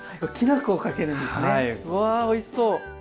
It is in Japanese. うわおいしそう！